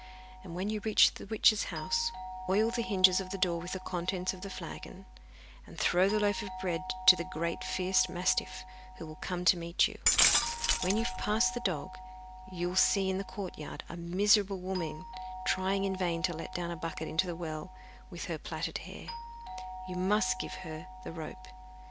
When you reach the witch's house, oil the hinges of the door with the contents of the flagon, and throw the loaf of bread to the great fierce mastiff, who will come to meet you. When you have passed the dog, you will see in the courtyard a miserable woman trying in vain to let down a bucket into the well with her plaited hair. You must give her the rope.